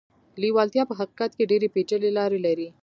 لېوالتیا په حقيقت کې ډېرې پېچلې لارې لري.